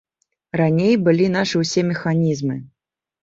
Раней былі нашы ўсе механізмы.